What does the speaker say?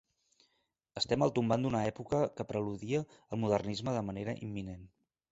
Estem al tombant d'una època que preludia el modernisme de manera imminent.